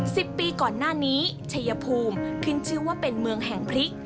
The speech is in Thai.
สิบปีก่อนหน้านี้ชัยภูมิขึ้นชื่อว่าเป็นเมืองแห่งพริก